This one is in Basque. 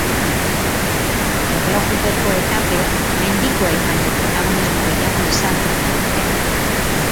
Erlojupeko etapek mendikoek baino protagonismo gehiago izango dute aurten.